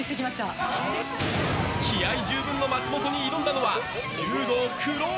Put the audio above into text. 気合十分の松本に挑んだのは柔道黒帯。